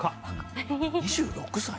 ２６歳？